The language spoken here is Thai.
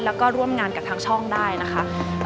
แล้วก็ร่วมงานกับทางช่องได้นะคะ